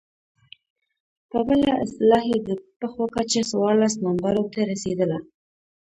په بله اصطلاح يې د پښو کچه څوارلس نمبرو ته رسېدله.